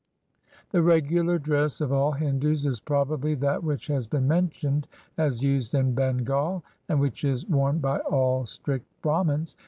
The regular dress of all Hindus is probably that which has been mentioned as used in Bengal, and which is worn by all strict Bramins.